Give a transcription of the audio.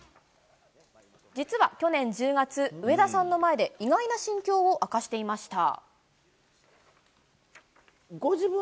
実は去年１０月、上田さんの前で意外な心境を明かしていました。